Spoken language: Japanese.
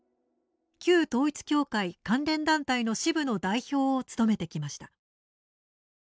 旧統一教会関連団体の支部の代表を務めてきました。